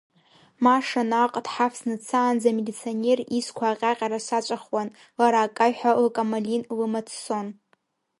Маша наҟ дҳавсны дцаанӡа амилиционер изқәа аҟьаҟьара саҵәахуан, лара акаҩҳәа лкамалин лыма дцон.